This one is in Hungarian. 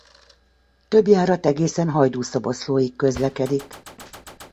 Több járat egészen Hajdúszoboszlóig közlekedik.